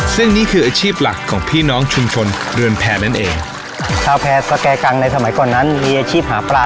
ซึ่งนี่คืออาชีพหลักของพี่น้องชุมชนเรือนแพรนั่นเองชาวแพรสแก่กังในสมัยก่อนนั้นมีอาชีพหาปลา